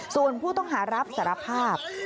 ส่วนผู้ต้องหารับสารภาพ